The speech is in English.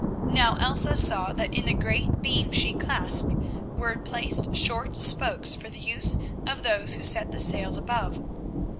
Now Elsa saw that in the great beam she clasped were placed short spokes for the use of those who set the sails above.